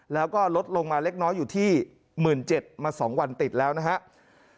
แล้วก็ลดลงมาเล็กน้อยอยู่ที่๑๗๐๐มา๒วันติดแล้วนะครับ